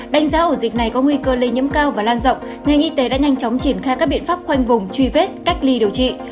đánh giá ổ dịch này có nguy cơ lây nhiễm cao và lan rộng ngành y tế đã nhanh chóng triển khai các biện pháp khoanh vùng truy vết cách ly điều trị